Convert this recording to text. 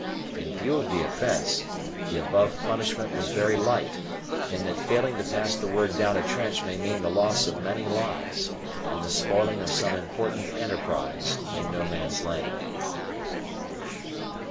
In view of the offence, the above punishment was very light, in that failing to pass the word down a trench may mean the loss of many lives, and the spoiling of some important enterprise in No Man's Land.